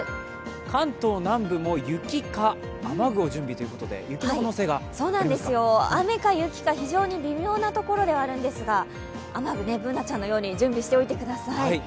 関東南部も雪か、雨具を準備ということで雨か雪か非常に微妙なところではありますが雨具、Ｂｏｏｎａちゃんのように準備しておいてください。